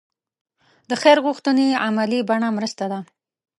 د خیر غوښتنې عملي بڼه مرسته ده.